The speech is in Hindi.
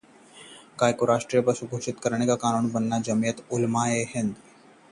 गाय को राष्ट्रीय पशु घोषित करने का कानून बने: जमीयत उलमा-ए-हिंद